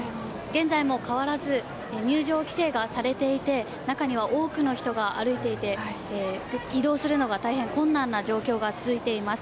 現在も変わらず入場規制がされていて、中には多くの人が歩いていて、移動するのが大変困難な状況が続いています。